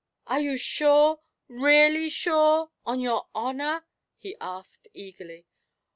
'Are you sure really sure on your honour?' he asked eagerly.